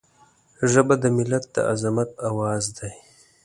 ژبه د ملت د عظمت آواز دی